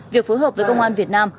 việc phối hợp với công an việt nam